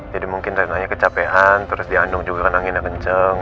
jadi mungkin renanya kecapean terus di andung juga kan anginnya kenceng